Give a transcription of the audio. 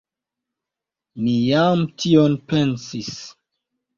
Mi jam tion pensis.